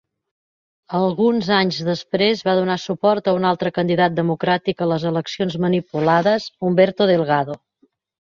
Alguns anys després va donar suport a un altre candidat democràtic a les eleccions manipulades, Humberto Delgado.